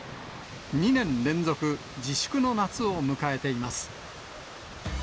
２年連続自粛の夏を迎えています。